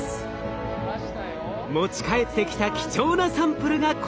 持ち帰ってきた貴重なサンプルがこちら！